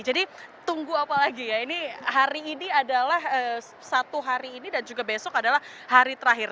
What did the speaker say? jadi tunggu apa lagi ya ini hari ini adalah satu hari ini dan juga besok adalah hari terakhir